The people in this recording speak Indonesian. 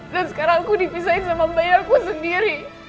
dan sekarang aku dipisahin sama bayi aku sendiri